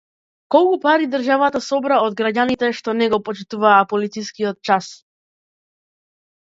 Колку пари државата собра од граѓаните што не го почитуваа полицискиот час